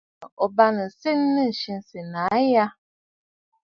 Bɨ swoŋə aa annu yî sɨgɨ̀ǹə̀ ò bâŋnə̀ senə nɨ̂ ǹsî sènə̀ aa a ya?